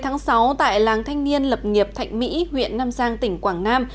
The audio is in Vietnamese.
ngày một mươi sáu tại làng thanh niên lập nghiệp thạnh mỹ huyện nam giang tỉnh quảng nam